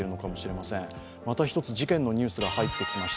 また一つ事件のニュースが入ってきました。